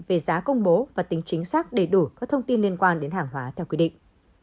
về giá công bố và tính chính xác đầy đủ các thông tin liên quan đến hàng hóa theo quy định